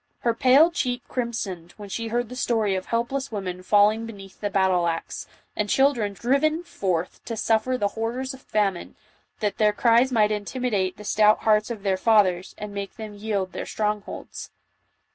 Her pale cheek crimsoned when she heard the story of helpless women falling beneath the battle axe, and children driven forth to suffer the horrors of famine, that their JOAN OP ARC. 147 cries might intimidate the stout hearts of their fathers, and make them yield their strongholds.